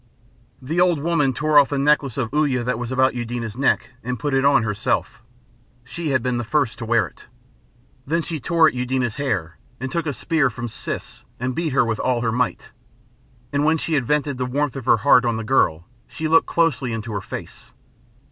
The old woman tore off the necklace of Uya that was about Eudena's neck, and put it on herself she had been the first to wear it. Then she tore at Eudena's hair, and took a spear from Siss and beat her with all her might. And when she had vented the warmth of her heart on the girl she looked closely into her face.